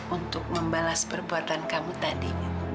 untuk membalas perbuatan kamu tadi